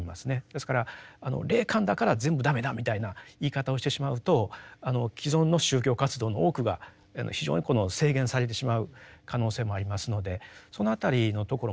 ですから霊感だから全部駄目だみたいな言い方をしてしまうと既存の宗教活動の多くが非常に制限されてしまう可能性もありますのでその辺りのところもですね